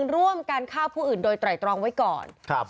๑ร่วมกันข้าวผู้อื่นโดยต่อยตรองไว้ก่อน